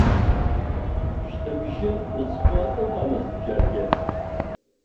Шьҭыбжьы мыцхәы ыҟамызт џьаргьы.